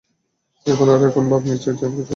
আর এখন এমন ভাব নিচ্ছে যেন কিছুই হয়নি।